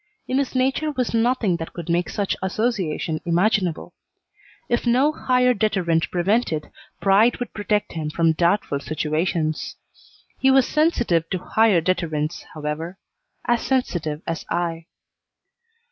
In his nature was nothing that could make such association imaginable. If no higher deterrent prevented, pride would protect him from doubtful situations. He was sensitive to higher deterrents, however, as sensitive as I.